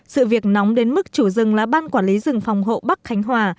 sự việc nóng đến mức chủ rừng là ban quản lý rừng phòng hộ bắc khánh hòa